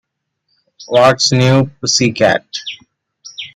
What's New Pussycat?